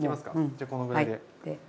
じゃこのぐらいで。